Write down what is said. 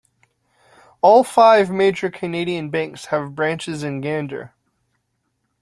All five major Canadian banks have branches in Gander.